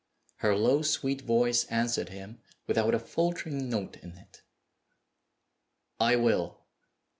Her low, sweet voice answered him, without a faltering note in it, "I will!"